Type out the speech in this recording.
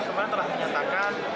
kemarin telah menyatakan